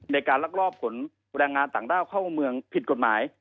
ในการลักลอบขนแรงงานต่างด้าวเข้าเมืองผิดกฎหมาย